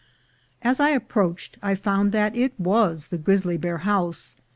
As I approached, I found it was the Grizzly Bear House.